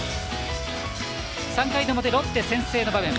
３回の表、ロッテ先制の場面